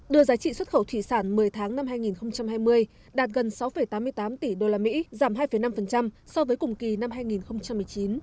đưa giá trị xuất khẩu thủy sản một mươi tháng năm hai nghìn hai mươi đạt gần sáu tám mươi tám tỷ usd giảm hai năm so với cùng kỳ năm hai nghìn một mươi chín